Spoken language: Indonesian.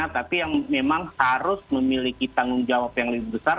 tapi yang memang harus memiliki tanggung jawab yang lebih besar